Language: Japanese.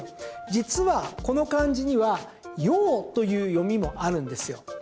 実は、この漢字には「よう」という読みもあるんですよ。